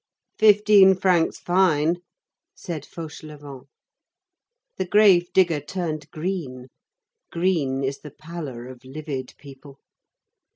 "Fifteen francs fine," said Fauchelevent. The grave digger turned green. Green is the pallor of livid people.